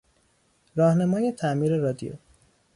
راهنمای تعمیر رادیو